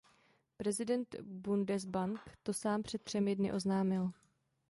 Prezident Bundesbank to sám před třemi dny oznámil.